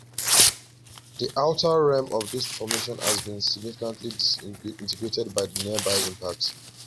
The outer rim of this formation has been significantly disintegrated by the nearby impacts.